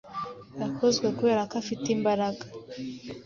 Yarakozwe kubera ko ifite imbaraga